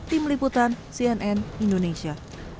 tim liputan cnn indonesia